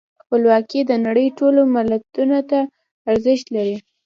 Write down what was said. خپلواکي د نړۍ ټولو ملتونو ته ارزښت لري.